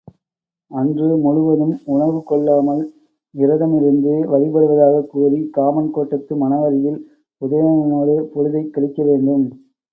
அன்று முழுவதும் உணவு கொள்ளாமல் விரதமிருந்து வழிபடுவதாகக் கூறிக் காமன் கோட்டத்து மணவறையில் உதயணனோடு பொழுதைக் கழிக்க வேண்டும்.